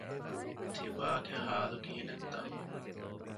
ތިބާގެ ޙާލު ކިހިނެއްތަ؟